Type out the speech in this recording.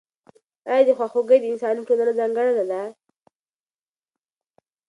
آیا خواخوږي د انساني ټولنې ځانګړنه ده؟